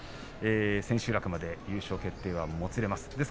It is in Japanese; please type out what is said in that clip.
千秋楽まで優勝決定がもつれます。